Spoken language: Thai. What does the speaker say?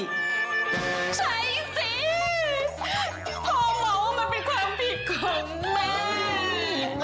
ใช้สิพ่อมองว่ามันเป็นความผิดของแม่